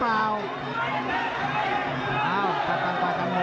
แล้วทีมงานน่าสื่อ